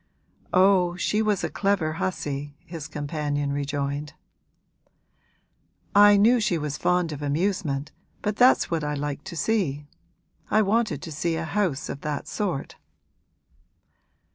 'Oh, she was a clever hussy!' his companion rejoined. 'I knew she was fond of amusement, but that's what I liked to see. I wanted to see a house of that sort.'